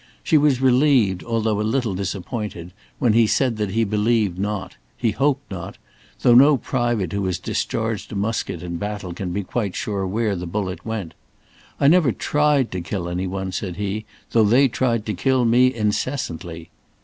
She was relieved, although a little disappointed, when he said that he believed not; he hoped not; though no private who has discharged a musket in baffle can be quite sure where the bullet went. "I never tried to kill any one," said he, "though they tried to kill me incessantly."